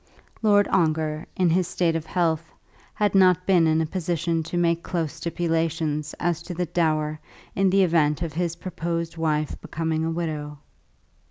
Lord Ongar, in his state of health, had not been in a position to make close stipulations as to the dower in the event of his proposed wife becoming a widow.